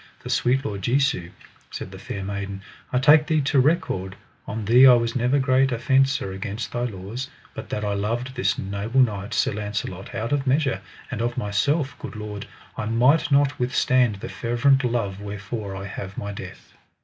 For sweet Lord Jesu, said the fair maiden, I take Thee to record, on Thee I was never great offencer against thy laws; but that I loved this noble knight, Sir Launcelot, out of measure, and of myself, good Lord, I might not withstand the fervent love wherefore I have my death.